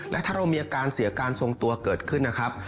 และถ้าเรามีอาการเสียการทรงตัวเกิดขึ้นนะครับ